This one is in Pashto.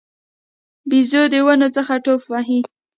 بیزو د ونو څخه ټوپ وهي.